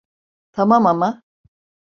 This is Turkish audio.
Tamam ama…